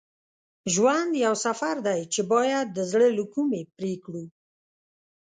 ژوند یو سفر دی چې باید د زړه له کومي پرې کړو.